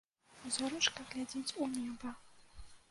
Зорачка глядзіць у неба.